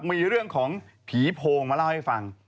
มีเรื่องของผีโพงมาเล่าให้ฟัง